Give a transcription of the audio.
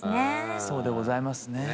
そうでございますね。